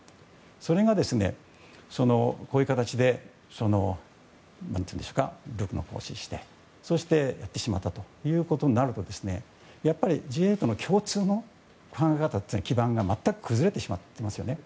それが、こういう形で武力の行使をしてそして、やってしまったということになるとやっぱり、Ｇ８の共通の考え方というか基盤が全く崩れてしまってますよね。